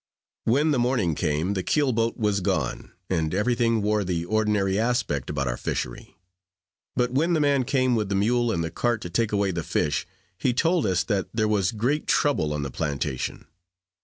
When the morning came, the keel boat was gone, and every thing wore the ordinary aspect about our fishery; but when the man came with the mule and the cart to take away the fish, he told us that there was great trouble on the plantation.